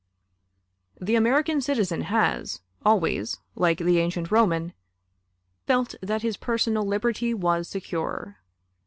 The American citizen has always, like the ancient Roman, felt that his personal liberty was secure.